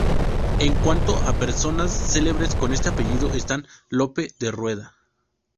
En cuanto a personas celebres con este apellido están: Lope de Rueda.